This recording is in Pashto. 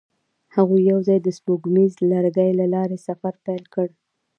هغوی یوځای د سپوږمیز لرګی له لارې سفر پیل کړ.